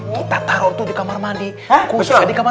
kalau ustazah masuk